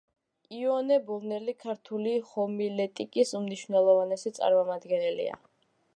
იოანე ბოლნელი ქართული ჰომილეტიკის უმნიშვნელოვანესი წარმომადგენელია.